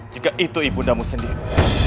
jika itu ibundamu sendiri